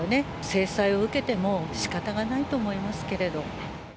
制裁を受けてもしかたがないと思いますけれど。